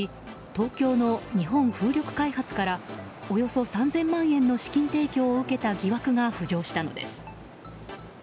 東京の日本風力開発からおよそ３０００万円の資金提供を受けた疑惑が浮上したのです。